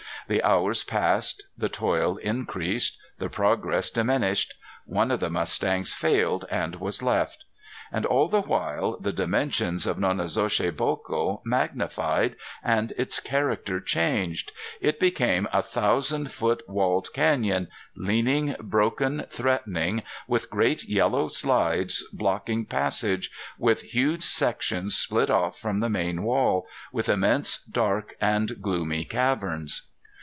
The hours passed; the toil increased; the progress diminished; one of the mustangs failed and was left. And all the while the dimensions of Nonnezoshe Boco magnified and its character changed. It became a thousand foot walled canyon, leaning, broken, threatening, with great yellow slides blocking passage, with huge sections split off from the main wall, with immense dark and gloomy caverns.